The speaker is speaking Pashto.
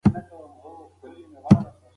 هغه خلکو ته مرسته وکړه